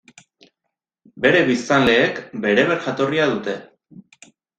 Bere biztanleek bereber jatorria dute.